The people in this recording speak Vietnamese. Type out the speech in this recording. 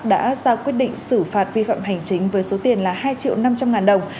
đã ra quyết định xử phạt vi phạm hành chính với số tiền là hai triệu năm trăm linh ngàn đồng